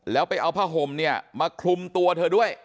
แล้วไปเอาผ้าห่มเนี่ยมาคลุมตัวเธอด้วย